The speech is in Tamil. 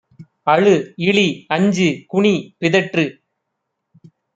அழு! இளி! அஞ்சு! குனி! பிதற்று!